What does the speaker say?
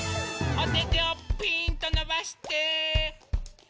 おててをピーンとのばして！